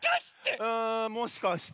もしかして！